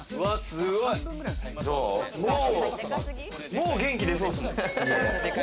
もう元気でそうですもん。